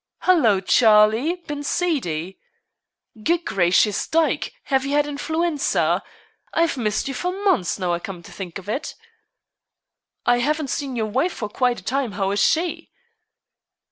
"Hallo, Charlie! Been seedy?" "Good gracious, Dyke! have you had influenza? I've missed you for months, now I come to think of it." "I haven't seen your wife for quite a time. How is she?"